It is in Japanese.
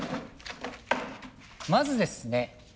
まずですね